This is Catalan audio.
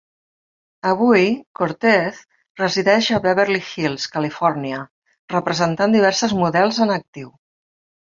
Avui, Cortez resideix a Beverly Hills, Califòrnia, representant diverses models en actiu.